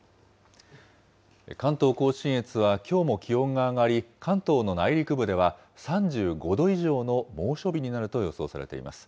関東甲信越はきょうも気温が上がり、関東の内陸部では、３５度以上の猛暑日になると予想されています。